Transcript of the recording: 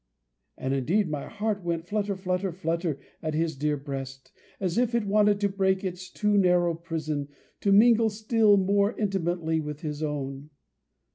And, indeed, my heart went flutter, flutter, flutter, at his dear breast, as if it wanted to break its too narrow prison, to mingle still more intimately with his own.